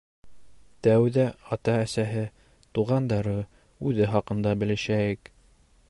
Тәүҙә ата-әсәһе, туғандары, үҙе хаҡында белешәйек.